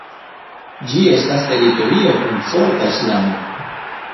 Ĝi estas teritorio kun forta islamo.